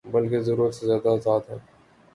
بلکہ ضرورت سے زیادہ آزاد ہے۔